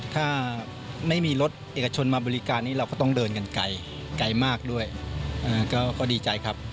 ถ้าไม่มีรถเอกชนมาบริการนี้เราก็ต้องเดินกันไกลไกลมากด้วยก็ดีใจครับ